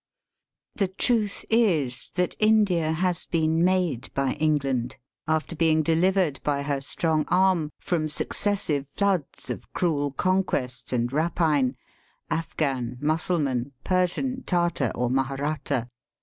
The truth is that India has been made by England, after being delivered by her strong arm from successive floods of cruel conquest and rapine, Afghan, Mussulman, Persian, Tartar, or Maharatta.